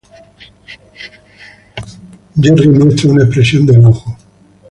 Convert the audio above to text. Jerry muestra una expresión de enojo.